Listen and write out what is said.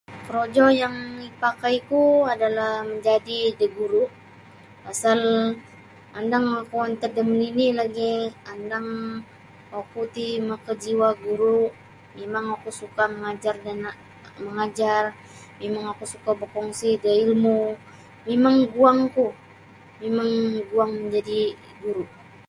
Korojo yang mipakaiku adalah majadi da guru' pasal andang oku antad da manini' lagi' andang oku ti makajiwa' guru' mimang oku suka' mangajar da nak mangajar mimang oku suka bakongsi da ilmu mimang guangku mimang guang majadi guru'